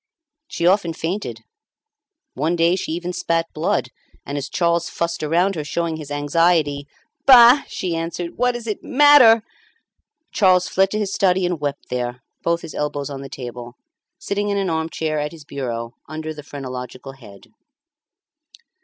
She often fainted. One day she even spat blood, and, as Charles fussed around her showing his anxiety "Bah!" she answered, "what does it matter?" Charles fled to his study and wept there, both his elbows on the table, sitting in an arm chair at his bureau under the phrenological head.